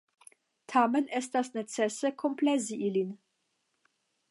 Tamen estas necese komplezi ilin.